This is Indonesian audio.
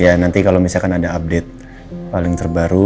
ya nanti kalau misalkan ada update paling terbaru